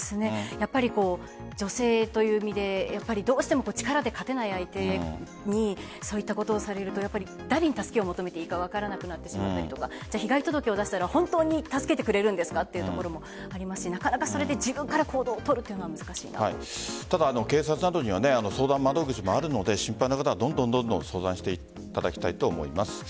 やっぱり女性という身でどうしても力で勝てない相手にそういったことをされると誰に助けを求めていいのか分からなくなってしまったりとか被害届を出したら本当に助けてくれるんですかというところもありますしなかなか自分から行動を取るのは警察などには相談窓口もあるので心配な方はどんどん相談していただきたいと思います。